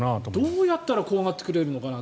どうやったら怖がってくれるのかな。